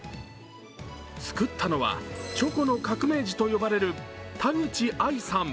作ったのはチョコの革命児と呼ばれる田口愛さん。